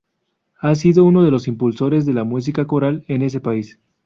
Ha sido uno de los impulsores de la música coral en ese país.